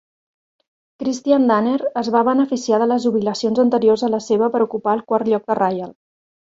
Christian Danner es va beneficiar de les jubilacions anteriors a la seva per ocupar el quart lloc de Rial.